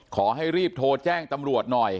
ขอให้รีบโทรแจ้งตำรวจหน่อย